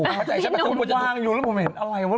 พี่หนุ่มว่างอยู่แล้วมันเห็นอะไรวะ